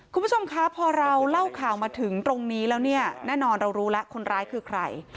คุณผู้ชมคะพอเราเล่าข่าวมาถึงตรงนี้แล้วเนี่ยแน่นอนเรารู้แล้วคนร้ายคือใคร